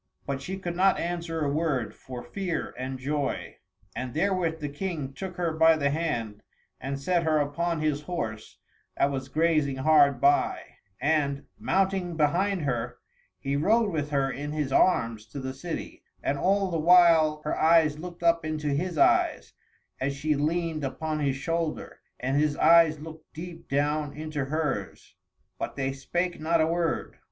But she could not answer a word, for fear and joy. And therewith the King took her by the hand, and set her upon his horse that was grazing hard by; and, mounting behind her, he rode with her in his arms to the city, and all the while her eyes looked up into his eyes, as she leaned upon his shoulder, and his eyes looked deep down into hers but they spake not a word.